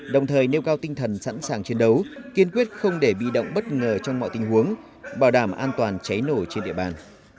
đồng thời nêu cao tinh thần sẵn sàng chiến đấu kiên quyết không để bị động bất ngờ trong mọi tình huống bảo đảm an toàn cháy nổ trên địa bàn